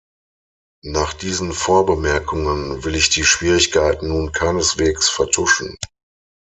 Nach diesen Vorbemerkungen will ich die Schwierigkeiten nun keineswegs vertuschen.